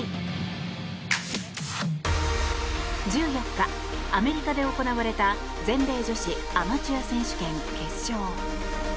１４日、アメリカで行われた全米女子アマチュア選手権決勝。